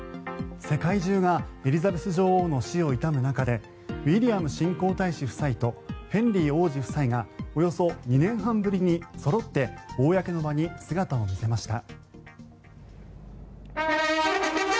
世界中がエリザベス女王の死を悼む中でウィリアム新皇太子夫妻とヘンリー王子夫妻がおよそ２年半ぶりにそろって公の場に姿を見せました。